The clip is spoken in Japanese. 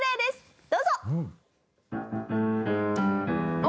どうぞ！